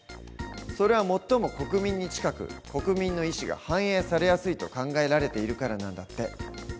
それは最も国民に近く国民の意思が反映されやすいと考えられているからなんだって。